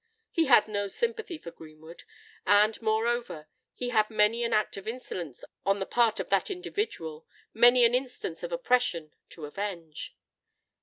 He had no sympathy for Greenwood;—and, moreover, he had many an act of insolence on the part of that individual—many an instance of oppression, to avenge.